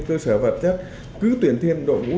cơ sở vật chất cứ tuyển thêm đội ngũ